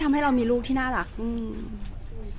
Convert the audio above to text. แต่ว่าสามีด้วยคือเราอยู่บ้านเดิมแต่ว่าสามีด้วยคือเราอยู่บ้านเดิม